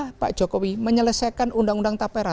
bagaimana pak jokowi menyelesaikan undang undang tapera